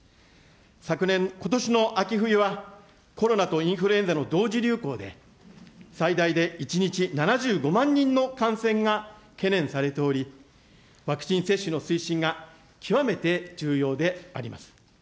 昨年、ことしの秋冬は、コロナとインフルエンザの同時流行で、最大で１日７５００００人の感染が懸念されており、ワクチン接種の推進が極めて重要であります。